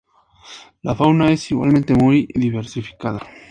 La fauna es igualmente muy diversificada.